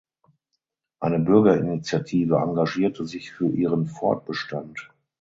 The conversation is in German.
Eine Bürgerinitiative engagierte sich für ihren Fortbestand.